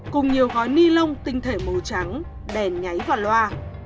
cùng nhiều gói ni lông tinh thể màu trắng đèn nháy vào loa